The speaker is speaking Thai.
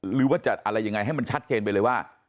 หรือว่าจะอะไรยังไงให้มันชัดเจนไปเลยว่า